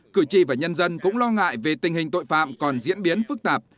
cử tri và nhân dân cũng lo ngại về tình hình tội phạm còn diễn biến phức tạp